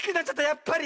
やっぱり。